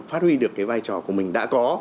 phát huy được cái vai trò của mình đã có